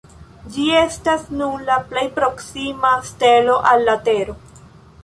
Ĝi estas nun la plej proksima stelo al la Tero.